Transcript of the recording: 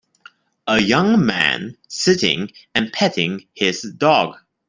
a young man sitting and petting his dog